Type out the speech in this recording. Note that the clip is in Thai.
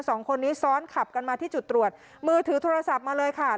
สองคนนี้ซ้อนขับกันมาที่จุดตรวจมือถือโทรศัพท์มาเลยค่ะ